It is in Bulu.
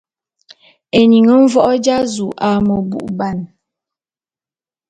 Eying mvoé dza zu a meboubane.